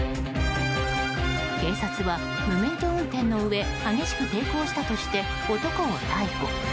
警察は無免許運転のうえ激しく抵抗したとして男を逮捕。